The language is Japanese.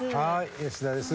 吉田です。